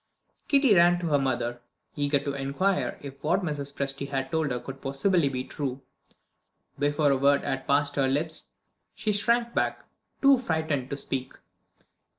Kitty ran to her mother, eager to inquire if what Mrs. Presty had told her could possibly be true. Before a word had passed her lips, she shrank back, too frightened to speak.